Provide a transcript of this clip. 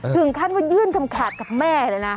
ถึงขั้นว่ายื่นคำขาดกับแม่เลยนะ